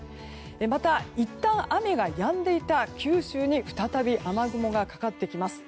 また、いったん雨がやんでいた九州に再び雨雲がかかってきます。